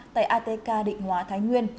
tại atk định hóa thái nguyên